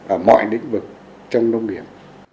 ở mọi lĩnh vực trong đông biển